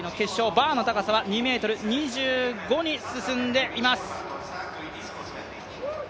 バーの高さは２ｍ２５に進んでいます。